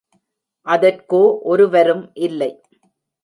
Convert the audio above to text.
அதற்கோ ஒருவரும் இல்லை.